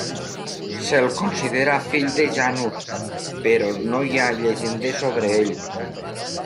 Se'l considera fill de Janus, però no hi ha llegendes sobre ell.